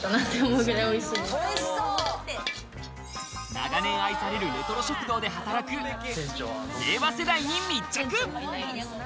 長年愛されるレトロ食堂で働く令和世代に密着。